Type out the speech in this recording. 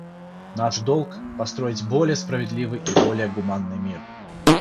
Наш долг — построить более справедливый и более гуманный мир.